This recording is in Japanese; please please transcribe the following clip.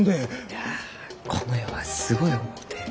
いやこの世はすごい思うて。